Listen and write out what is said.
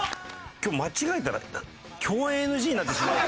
今日間違えたら共演ＮＧになってしまう。